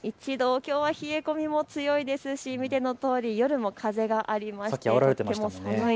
きょうは冷え込みも強いですし見てのとおり夜も風がありません。